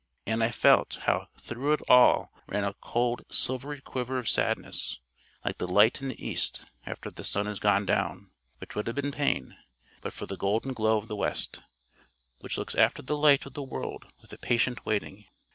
And I felt how through it all ran a cold silvery quiver of sadness, like the light in the east after the sun is gone down, which would have been pain, but for the golden glow of the west, which looks after the light of the world with a patient waiting.